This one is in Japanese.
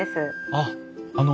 あっあの